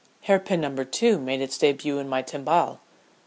Hair pin number two made its début in my timbale.